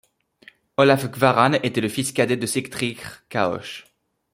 Olaf Kvaran était le fils cadet de Sigtryggr Caoch.